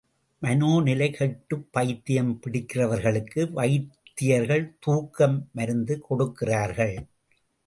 மனோநிலை கெட்டுப் பைத்தியம் பிடிக்கிறவர்களுக்கு வைத்தியர்கள் தூக்க மருந்து கொடுக்கிறார்கள்.